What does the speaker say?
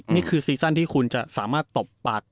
นี่คือซีสันที่คุณจะสามารถตบปาก